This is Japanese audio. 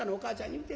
言うて。